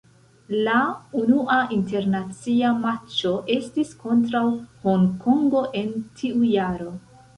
La unua internacia matĉo estis kontraŭ Honkongo en tiu jaro.